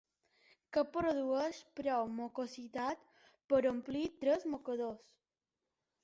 Que produeix prou mucositats per omplir tres mocadors.